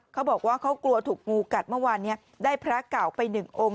เขาบอกว่าเขากลัวถูกงูกัดเมื่อวานนี้ได้พระเก่าไปหนึ่งองค์